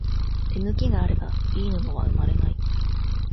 手抜きがあれば、いい布は、生まれない。